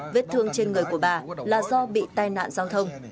vết thương trên người của bà là do bị tai nạn giao thông